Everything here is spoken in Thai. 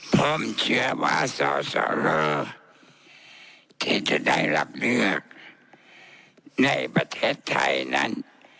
ผมเชื่อว่าสสรที่จะได้รับเลือกในประเทศไทยนั้น